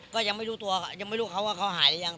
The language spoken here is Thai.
ก็ยังไม่รู้ตัวยังไม่รู้เขาว่าเขาหายหรือยัง